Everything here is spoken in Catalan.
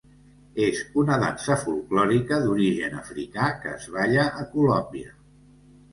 És una dansa folklòrica d'origen africà que es balla a Colòmbia.